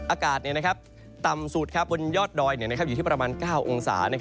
อากาศต่ำสุดบนยอดดอยอยู่ที่ประมาณ๙องศา